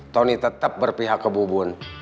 tony tetap berpihak ke bubun